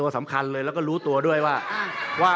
สูตรด้วยว่า